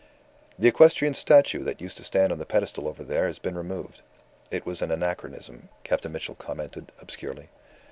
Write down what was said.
"The equestrian statue that used to stand on the pedestal over there has been removed. It was an anachronism," Captain Mitchell commented, obscurely.